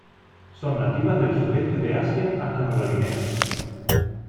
Son nativas del sudeste de Asia hasta Nueva Guinea.